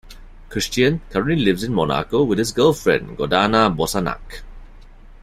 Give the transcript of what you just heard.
Christian currently lives in Monaco with his girlfriend Gordana Bosanac.